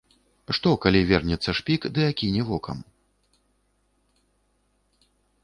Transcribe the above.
Што, калі вернецца шпік ды акіне вокам?